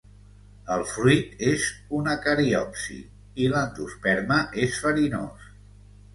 El fruit és una cariopsi, i l'endosperma és farinós.